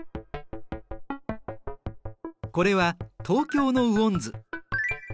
これは東京の雨温図。